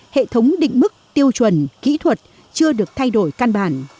hệ thống định mức tiêu chuẩn kỹ thuật chưa được thay đổi căn bản